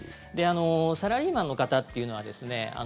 サラリーマンの方っていうのはですね。